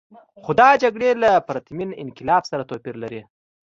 خو دا جګړې له پرتمین انقلاب سره توپیر لري.